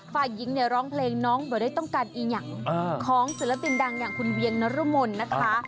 ฟ้ายิงร้องเพลงน้องโดยได้ต้องการอีกอย่างของศิลตินดังอย่างคุณเวียงนรมนต์นะคะ